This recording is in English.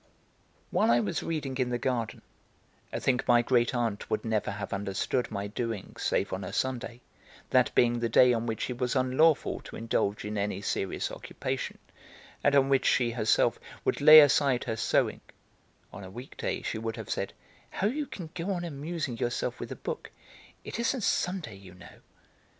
While I was reading in the garden, a thing my great aunt would never have understood my doing save on a Sunday, that being the day on which it was unlawful to indulge in any serious occupation, and on which she herself would lay aside her sewing (on a week day she would have said, "How you can go on amusing yourself with a book; it isn't Sunday, you know!"